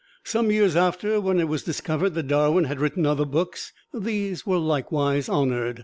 Some years after, when it was discovered that Darwin had written other books, these were likewise honored.